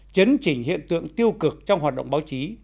chấn chỉnh hiện tượng tiêu cực trong hoạt động báo chí